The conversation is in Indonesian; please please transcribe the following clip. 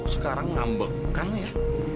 sekarang ngambek kamu ya